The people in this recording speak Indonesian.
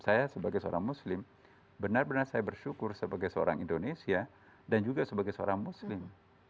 saya sebagai seorang muslim benar benar saya bersyukur sebagai seorang indonesia dan juga sebagai seorang muslim